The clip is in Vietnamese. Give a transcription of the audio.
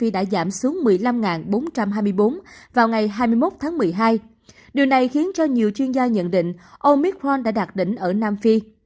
điều này khiến cho nhiều chuyên gia nhận định omicron đã đạt đỉnh ở nam phi